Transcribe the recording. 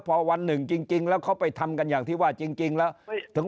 พอวันหนึ่งจริงแล้วเขาไปทำกันอย่างที่ว่าจริงแล้วถึง